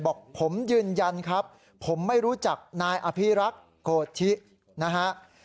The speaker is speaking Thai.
บอกผมยืนยันครับผมไม่รู้จักนายอภิรักษ์โกธินะฮะ